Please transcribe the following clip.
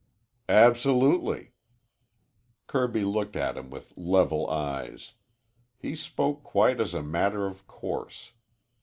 "Absolutely." Kirby looked at him with level eyes. He spoke quite as a matter of course.